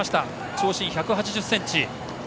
長身１８０ｃｍ。